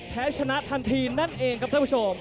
แพ้ชนะทันทีนั่นเองครับท่านผู้ชม